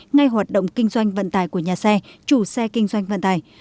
ngay hoạt động kinh doanh vận tải của nhà xe chủ xe kinh doanh vận tải